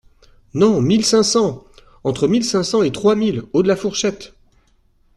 Non, mille cinq cents ! Entre mille cinq cents et trois mille – haut de la fourchette.